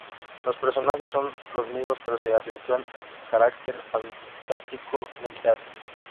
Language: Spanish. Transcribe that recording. Los personajes son los mismos pero se acentúa el carácter fantástico del relato.